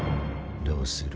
どうする？